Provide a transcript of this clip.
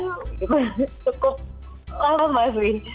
cukup lama masih